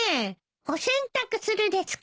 お洗濯するですか？